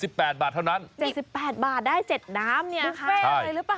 ๗๘บาทได้๗น้ำบุฟเฟ่อะไรหรือเปล่า